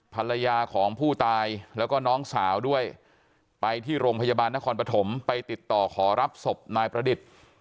ภรรยาของผู้ตายแล้วก็น้องสาวด้วยไปที่โรงพยาบาลนครปฐมไปติดต่อขอรับศพนายประดิษฐ์